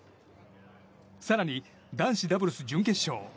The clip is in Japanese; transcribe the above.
更に男子ダブルス準決勝。